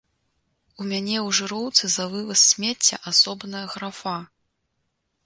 У мяне ў жыроўцы за вываз смецця асобная графа!